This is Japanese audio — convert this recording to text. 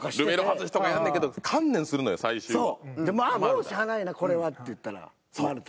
もうしゃあないなこれはって言ったら丸田。